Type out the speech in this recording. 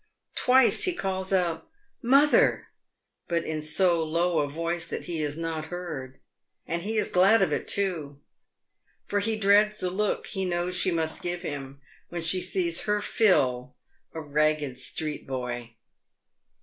Twice he calls out " Mother !" but in so low a voice that he is not heard ; and. he is glad of it, too, for he dreads the look he knows she must give him when she sees her Phil a ragged street boy.